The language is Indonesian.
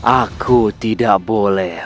aku tidak boleh